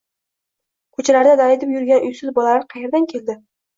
Koʻchalarda daydib yurgan uysiz bolalar qayerdan keldi